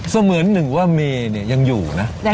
เสมือนหนึ่งว่าเมย์เนี่ยยังอยู่นะ